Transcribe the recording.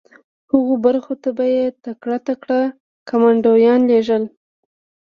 هغو برخو ته به یې تکړه تکړه کمانډویان لېږل